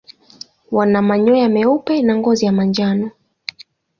Wana manyoya meupe na ngozi ya manjano.